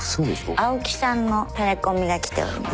青木さんのタレこみが来ております。